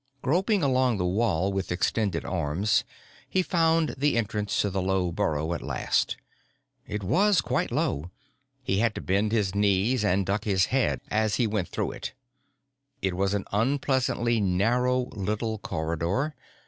Groping along the wall with extended arms, he found the entrance to the low burrow at last. It was quite low he had to bend his knees and duck his head as he went up to. It was an unpleasantly narrow little corridor.